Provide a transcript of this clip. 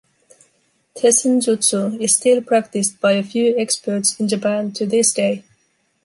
"Tessenjutsu" is still practiced by a few experts in Japan to this day.